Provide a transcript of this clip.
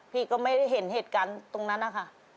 พี่ก็ไม่ได้เห็นเหตุการณ์ตรงนั้นนะคะ